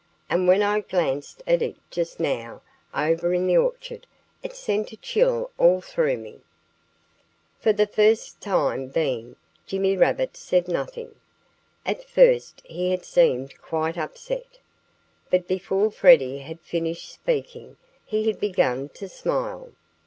And when I glanced at it just now, over in the orchard, it sent a chill all through me." For the time being Jimmy Rabbit said nothing. At first he had seemed quite upset. But before Freddie had finished speaking he had begun to smile.